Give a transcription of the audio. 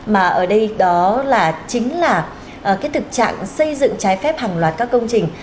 mà ở đây đó chính là cái thực trạng xây dựng trái phép hàng loạt các công trình